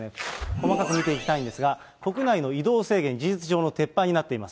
細かく見ていきたいんですが、国内の移動制限、事実上の撤廃になっています。